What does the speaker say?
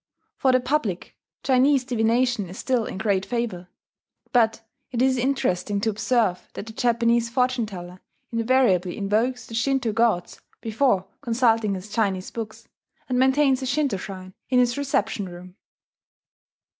For the public, Chinese divination is still in great favour; but it is interesting to observe that the Japanese fortune teller invariably invokes the Shinto gods before consulting his Chinese books, and maintains a Shinto shrine in his reception room.